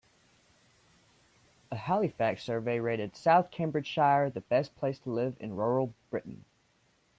A Halifax survey rated South Cambridgeshire the best place to live in rural Britain.